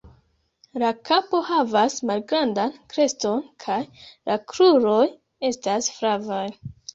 La kapo havas malgrandan kreston, kaj la kruroj estas flavaj.